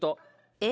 え？